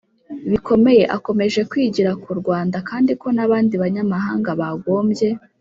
bikomeye akomeje kwigira ku Rwanda kandi ko n abandi banyamahanga bagombye